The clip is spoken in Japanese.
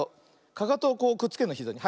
かかとをこうくっつけるのひざに。